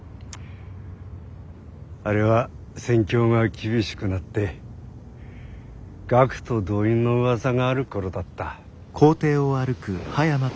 あれは戦況が厳しくなって学徒動員のうわさがある頃だった。